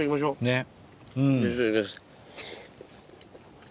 ねっ。